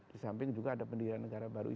di samping juga ada pendirian negara baru